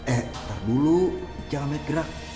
eh ntar dulu jangan naik gerak